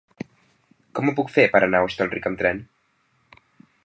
Com ho puc fer per anar a Hostalric amb tren?